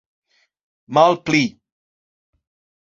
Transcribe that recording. malpli